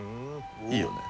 いいよね？